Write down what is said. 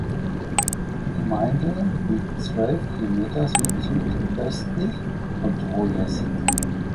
Die Gemeinde liegt zwölf Kilometer südsüdöstlich von Troyes.